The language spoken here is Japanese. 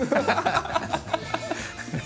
ハハハハ！